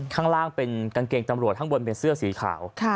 ข้างล่างเป็นกางเกงตำรวจข้างบนเป็นเสื้อสีขาว